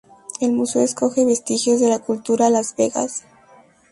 El museo acoge vestigios de la cultura Las Vegas.